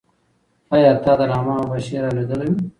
آیا تا د رحمان بابا شعر اورېدلی و؟